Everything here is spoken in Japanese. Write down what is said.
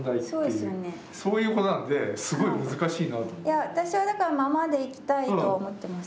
いや私はだからままでいきたいと思ってます。